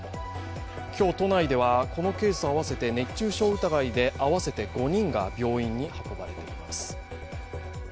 今日、都内ではこのケース、熱中症疑いが合わせて今日５人が病院に運ばれています。